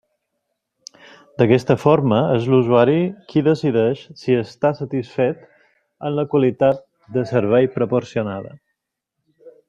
D'aquesta forma, és l'usuari qui decideix si està satisfet en la qualitat de servei proporcionada.